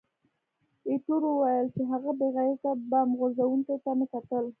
ایټور وویل چې، هغه بې غیرته بم غورځوونکي ته مې کتل.